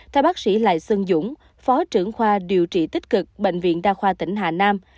theo bác sĩ lại xuân dũng phó trưởng khoa điều trị tích cực bệnh viện đa khoa tỉnh hà nam